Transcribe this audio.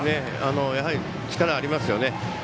やはり、力がありますね。